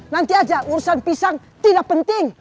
nanti aja urusan pisang tidak penting